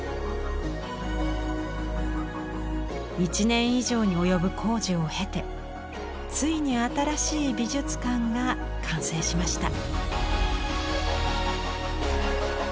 １年以上に及ぶ工事を経てついに新しい美術館が完成しました。